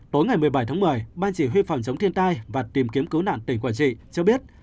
tối ngày một mươi bảy tháng một mươi ban chỉ huy phòng chống thiên tai và tìm kiếm cứu nạn tỉnh quảng trị cho biết